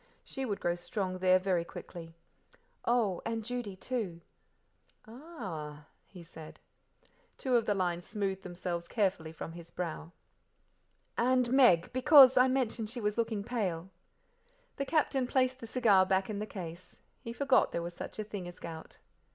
She would grow strong again there very quickly. "Oh, and Judy, too." "Ah h h!" he said. Two of the lines smoothed themselves carefully from his brow. "And Meg, because I mentioned she was looking pale." The Captain placed the cigar back in the case. He forgot there was such a thing as gout.